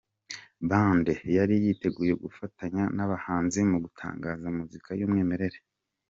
Band yari yiteguye gufatanya n’abahanzi mu gutanga muzika y’umwimerere.